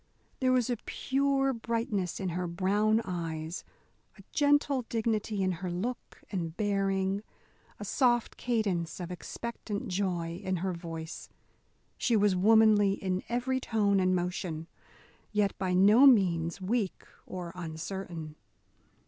There was a pure brightness in her brown eyes, a gentle dignity in her look and bearing, a soft cadence of expectant joy in her voice. She was womanly in every tone and motion, yet by no means weak or uncertain.